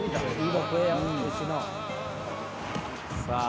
さあ。